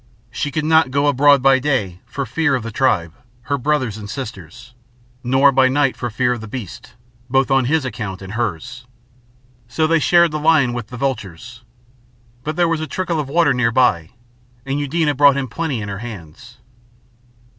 She could not go abroad by day for fear of the tribe, her brothers and sisters, nor by night for fear of the beasts, both on his account and hers. So they shared the lion with the vultures. But there was a trickle of water near by, and Eudena brought him plenty in her hands.